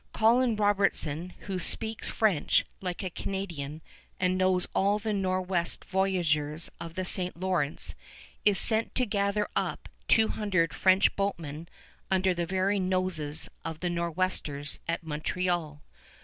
Colin Robertson, who speaks French like a Canadian and knows all the Nor'west voyageurs of the St. Lawrence, is sent to gather up two hundred French boatmen under the very noses of the Nor'westers at Montreal.